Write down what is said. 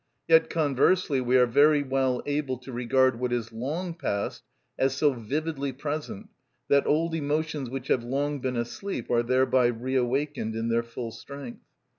Yet conversely we are very well able to regard what is long past as so vividly present that old emotions which have long been asleep are thereby reawakened in their full strength.